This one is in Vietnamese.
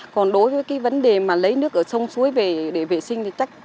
còn đối với vấn đề lấy nước ở sông suối để vệ sinh